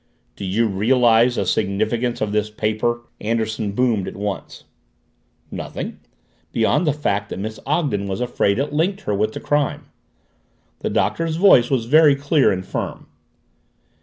"Do you realize the significance of this paper?" Anderson boomed at once. "Nothing, beyond the fact that Miss Ogden was afraid it linked her with the crime." The Doctor's voice was very clear and firm.